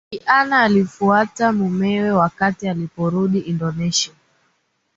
Bibi Ann alimfuata mumewe wakati aliporudi Indonesia